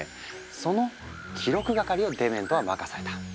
その記録係をデメントは任された。